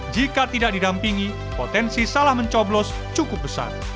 jika tidak didampingi potensi salah mencoblos cukup besar